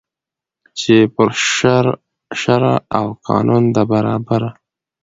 چي پر شرع او قانون ده برابره